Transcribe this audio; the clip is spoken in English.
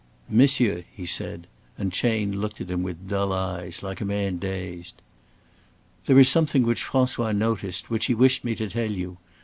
"Monsieur," he said, and Chayne looked at him with dull eyes like a man dazed. "There is something which François noticed, which he wished me to tell you.